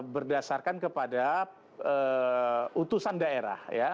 berdasarkan kepada utusan daerah